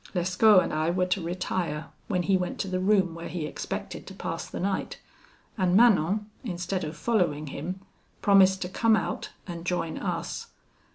Lescaut and I were to retire, when he went to the room where he expected to pass the night; and Manon, instead of following him, promised to come out, and join us.